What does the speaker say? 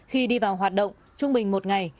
khi đi vào hoạt động trung bình một ngày